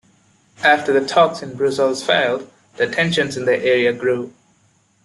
After the talks in Brussels failed, the tensions in the area grew.